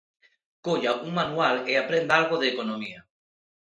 Colla un manual e aprenda algo de economía.